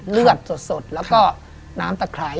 แล้วก็น้ำตะไคร้